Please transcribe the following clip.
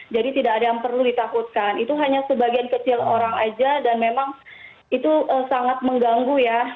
jadi tidak ada yang perlu ditakutkan itu hanya sebagian kecil orang aja dan memang itu sangat mengganggu ya